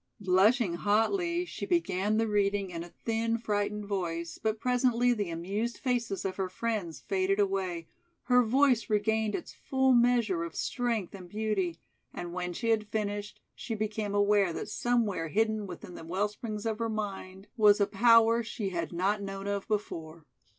Blushing hotly, she began the reading in a thin, frightened voice, but presently the amused faces of her friends faded away; her voice regained its full measure of strength and beauty, and when she had finished, she became aware that somewhere hidden within the wellsprings of her mind was a power she had not known of before.